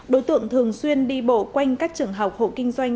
đối tượng thường xuyên đi bộ quanh các trường học hộ kinh doanh